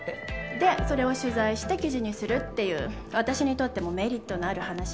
でそれを取材して記事にするっていう私にとってもメリットのある話なの。